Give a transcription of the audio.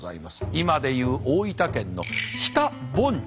今で言う大分県の日田盆地。